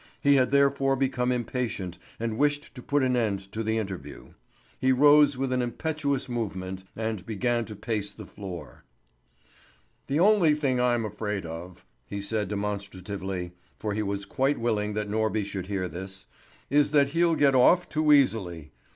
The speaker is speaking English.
He had therefore become impatient and wished to put an end to the interview. He rose with an impetuous movement, and began to pace the floor. "The only thing I'm afraid of," he said demonstratively for he was quite willing that Norby should hear this "is that he'll get off too easily.